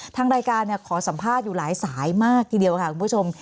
ทางรายการขอสัมภาษณ์อยู่หลายสายมากทีเดียวค่ะคุณผู้ชม